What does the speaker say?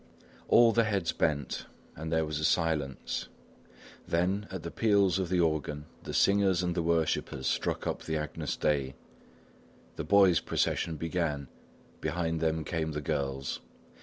All the heads bent and there was a silence. Then, at the peals of the organ the singers and the worshippers struck up the Agnus Dei; the boys' procession began; behind them came the girls.